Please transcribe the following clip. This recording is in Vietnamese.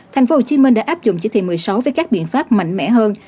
thành phố hồ chí minh đã áp dụng chỉ thị một mươi sáu với các biện pháp mạnh mẽ hơn